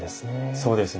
そうですね。